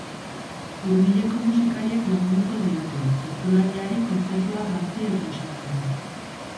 Hurbileko musikariek lagunduko diote, txistulariari kontzertua jantzi eta osatzen.